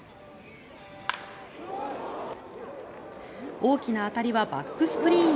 大きな当たりはバックスクリーンへ。